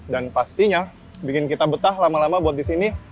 dan pastinya bikin kita betah lama lama buat disini